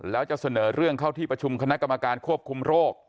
แล้วจะเสนอเรื่องเข้าที่ประชุมคณะกรรมการควบคุมโรค